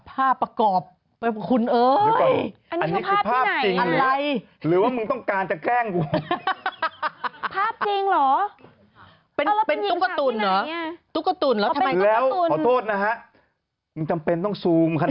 ภาพประกอบคุณเอ้ย